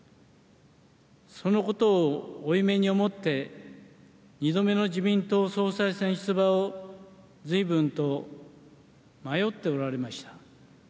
そのことを負い目に思って２度目の自民党総裁選出馬を随分と迷っておられました。